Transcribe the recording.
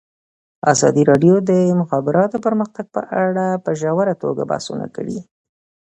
ازادي راډیو د د مخابراتو پرمختګ په اړه په ژوره توګه بحثونه کړي.